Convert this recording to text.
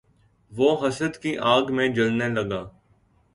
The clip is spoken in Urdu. وہ حسد کی آگ میں جلنے لگا